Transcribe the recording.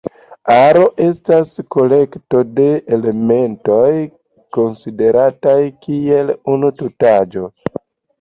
Aro estas kolekto de elementoj konsiderataj kiel unu tutaĵo.